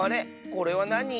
これはなに？